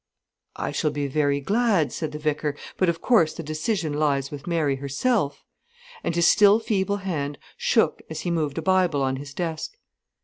"I shall be very glad," said the vicar, "but of course the decision lies with Mary herself." And his still feeble hand shook as he moved a Bible on his desk.